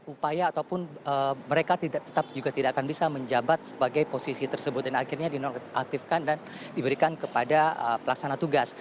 upaya ataupun mereka tetap juga tidak akan bisa menjabat sebagai posisi tersebut dan akhirnya dinonaktifkan dan diberikan kepada pelaksana tugas